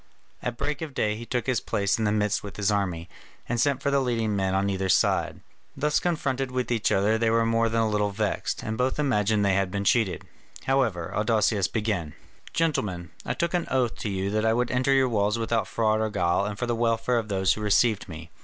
At break of day he took his place in the midst with his army, and sent for the leading men on either side. Thus confronted with each other they were more than a little vexed, and both imagined they had been cheated. However, Adousius began: "Gentlemen, I took an oath to you that I would enter your walls without fraud or guile and for the welfare of those who received me.